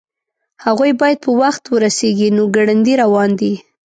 هغوی باید په وخت ورسیږي نو ګړندي روان دي